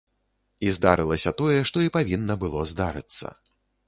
І здарылася тое, што і павінна было здарыцца.